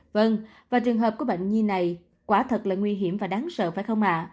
vâng và trường hợp của bệnh nhi này quả thật là nguy hiểm và đáng sợ phải không ạ